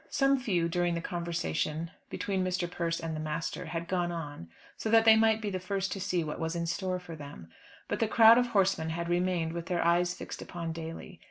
Some few, during the conversation between Mr. Persse and the master, had gone on, so that they might be the first to see what was in store for them. But the crowd of horsemen had remained with their eyes fixed upon Daly.